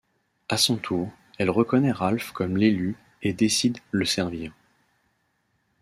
À son tour, elle reconnaît Ralph comme l’Élu et décide le servir.